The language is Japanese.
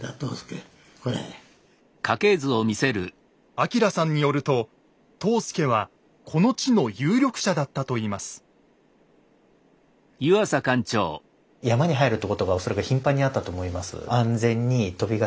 明さんによると藤助はこの地の有力者だったといいますあなるほど。